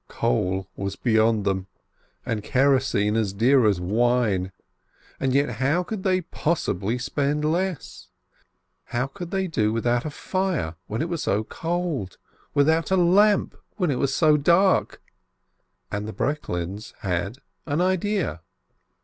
Coal was beyond them, and kerosene as dear as wine, and yet how could they possibly spend less? How could they do without a fire when it was so cold? Without a lamp when it was so dark? And the Breklins had an " idea